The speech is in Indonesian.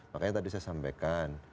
makanya tadi saya sampaikan